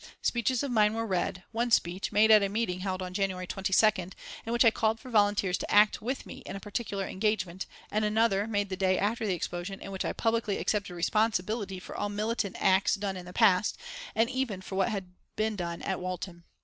Speeches of mine were read, one speech, made at a meeting held on January 22nd, in which I called for volunteers to act with me in a particular engagement; and another, made the day after the explosion, in which I publicly accepted responsibility for all militant acts done in the past, and even for what had been done at Walton.